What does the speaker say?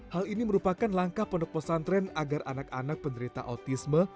hal ini merupakan langkah pondok pesantren agar anak anak penderita autisme